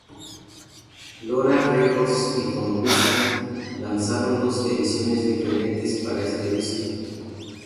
Lora Records y Fonovisa lanzaron dos ediciones diferentes para este disco.